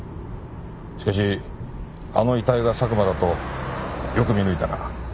しかしあの遺体が佐久間だとよく見抜いたな。